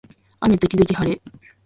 雨時々はれ